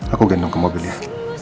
aku gendong ke mobil ya